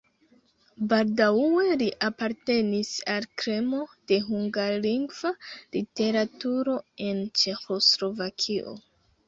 Baldaŭe li apartenis al kremo de hungarlingva literaturo en Ĉeĥoslovakio.